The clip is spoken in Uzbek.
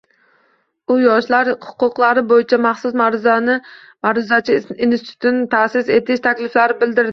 U Yoshlar huquqlari boʻyicha maxsus maʼruzachi institutini taʼsis etish takliflari bildirildi.